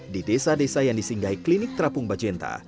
di desa desa yang disinggahi klinik terapung bajenta